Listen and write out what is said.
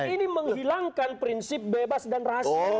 ini menghilangkan prinsip bebas dan rahasia